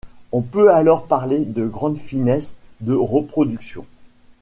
On peut alors parler de grande finesse de reproduction.